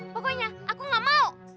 pokoknya aku gak mau